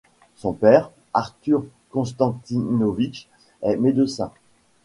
Son père, Arthur Constantinovich, est médecin.